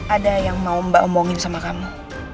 ada yang mau mbak omongin sama kamu